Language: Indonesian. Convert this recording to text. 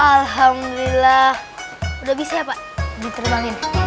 alhamdulillah udah bisa ya pak diterbangin